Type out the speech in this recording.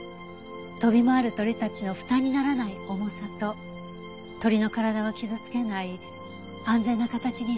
飛び回る鳥たちの負担にならない重さと鳥の体を傷つけない安全な形に設計されてます。